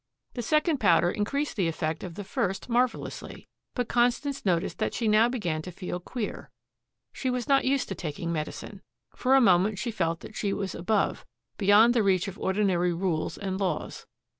The second powder increased the effect of the first marvelously. But Constance noticed that she now began to feel queer. She was not used to taking medicine. For a moment she felt that she was above, beyond the reach of ordinary rules and laws.